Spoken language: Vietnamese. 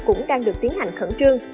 vẫn đang được tiến hành khẩn trương